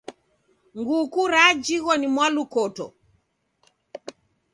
Nguku rejighwa ni mwalukoto.